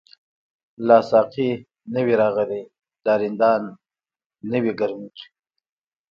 لاسا قی نوی راغلی، لا رندان نوی ګرمیږی